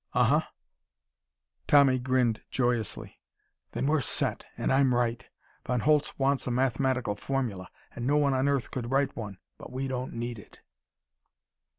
"Uh huh!" Tommy grinned joyously. "Then we're set and I'm right! Von Holtz wants a mathematical formula, and no one on earth could write one, but we don't need it!"